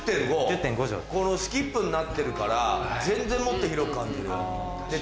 このスキップになってるから全然もっと広く感じる。